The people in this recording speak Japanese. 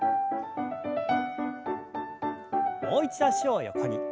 もう一度脚を横に。